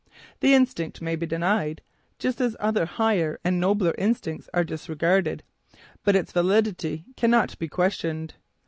The instinct may be denied, just as other higher and nobler instincts are disregarded; but its validity cannot be questioned.